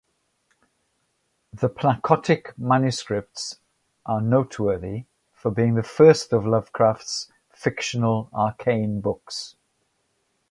The Pnakotic Manuscripts are noteworthy for being the first of Lovecraft's fictional arcane books.